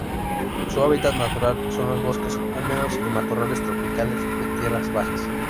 Su hábitat natural son los bosques húmedos y matorrales tropicales de tierras bajas.